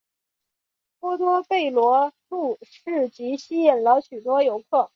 波多贝罗路市集吸引了许多游客。